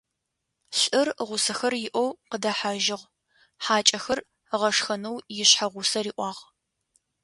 Лӏыр гъусэхэр иӏэу къыдэхьэжьыгъ, хьакӏэхэр ыгъэшхэнэу ишъхьэгъусэ риӏуагъ,.